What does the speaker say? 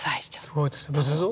すごいです仏像？